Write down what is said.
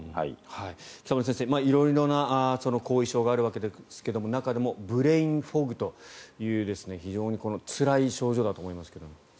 北村先生色々な後遺症があるわけですが中でもブレインフォグという非常につらい症状だと思いますが。